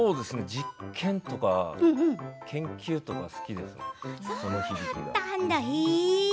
実験とか研究とか好きでしたね。